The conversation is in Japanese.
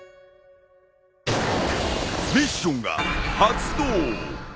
ミッションが発動。